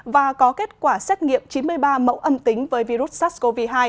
và có kết quả xét nghiệm chín mươi ba mẫu âm tính với virus sars cov hai